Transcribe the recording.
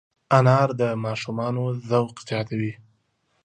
انار د ماشومانو ذوق زیاتوي.